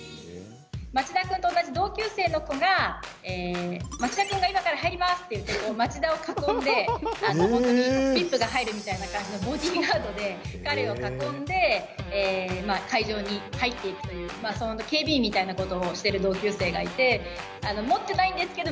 町田君と同じ同級生の子が「町田君が今から入ります」って言って町田を囲んで、本当にＶＩＰが入るみたいな感じのボディーガードで彼を囲んで会場に入っていくという警備員みたいなことをしてる同級生がいて。